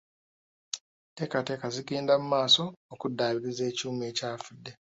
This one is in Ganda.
Enteekateeka zigenda mu maaso okuddaabiriza ekyuma ekyafudde.